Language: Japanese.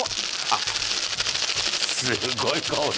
あっすごい顔で。